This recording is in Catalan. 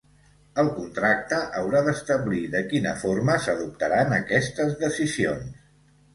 El contracte haurà d'establir de quina forma s'adoptaran aquestes decisions.